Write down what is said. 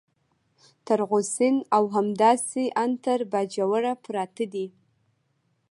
تر غو سین او همداسې ان تر باجوړه پراته دي.